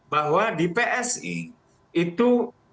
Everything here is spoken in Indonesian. bahwa di psi itu